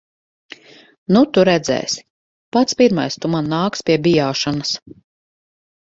Nu tu redzēsi. Pats pirmais tu man nāksi pie bijāšanas.